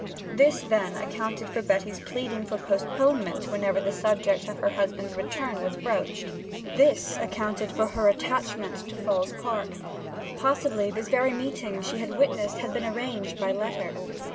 This, then, accounted for Betty's pleading for postponement whenever the subject of her husband's return was broached; this accounted for her attachment to Falls Park. Possibly this very meeting that she had witnessed had been arranged by letter.